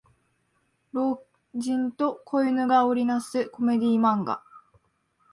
老人と子犬が織りなすコメディ漫画